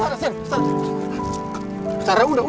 aku yang salah